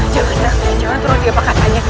jangan jangan jangan terlalu jauh pakatannya